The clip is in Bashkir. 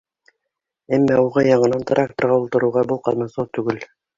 Әммә уға яңынан тракторға ултырыуға был ҡамасау түгел.